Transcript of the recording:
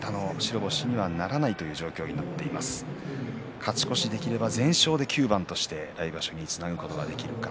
勝ち越しできれば全勝で９番として来場所につなげることができるかどうか。